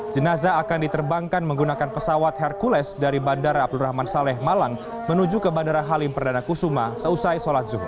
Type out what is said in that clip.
jenazah akan diterbangkan menggunakan pesawat hercules dari bandara abdurrahman saleh malang menuju ke bandara halim perdana kusuma seusai sholat zuhur